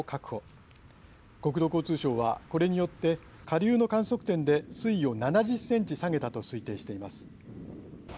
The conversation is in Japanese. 国土交通省はこれによって下流の観測点で水位を７０センチ下げたと推定しています。